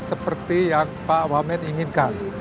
seperti yang pak wamen inginkan